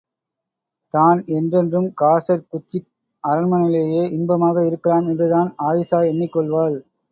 தான் என்றென்றும் காசர் குச்சிக் அரண்மனையிலேயே இன்பமாக இருக்கலாம் என்றுதான் ஆயீஷா எண்ணிக் கொள்வாள்.